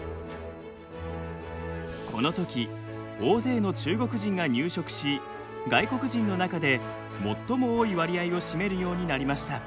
このとき大勢の中国人が入植し外国人の中で最も多い割合を占めるようになりました。